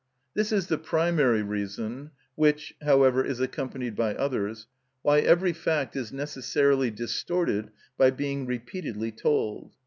This is the primary reason (which, however, is accompanied by others) why every fact is necessarily distorted by being repeatedly told.